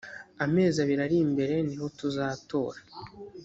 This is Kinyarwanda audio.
amezi abiri ari mbere niho tuzatora